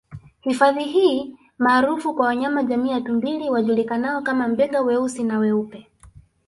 Hifadhi hii maarufu kwa wanyama jamii ya tumbili wajulikanao kama Mbega weusi na weupe